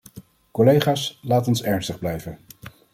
Collega's, laat ons ernstig blijven.